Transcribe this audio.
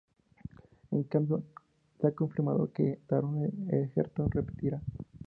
En cambio, se ha confirmado que Taron Egerton repetirá.